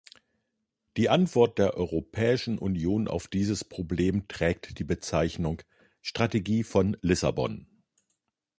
Die Antwort der Europäischen Union auf dieses Problem trägt die Bezeichnung "Strategie von Lissabon".